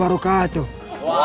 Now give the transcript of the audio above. allah vitam acn